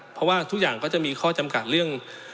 เพราะว่าทุกอย่างก็จะมีข้อจำกัดเรื่อง